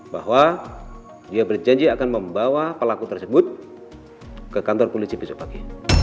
bahwa dia berjanji akan membawa pelaku tersebut ke kantor polisi besok pagi